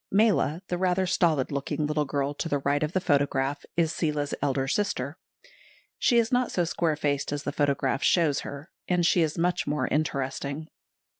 [Illustration: THE COTTAGE NURSERY.] Mala, the rather stolid looking little girl to the right of the photograph, is Seela's elder sister. She is not so square faced as the photograph shows her, and she is much more interesting.